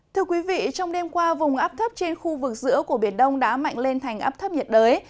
thưa quý vị trong đêm qua vùng áp thấp trên khu vực giữa của biển đông đã mạnh lên thành áp thấp nhiệt đới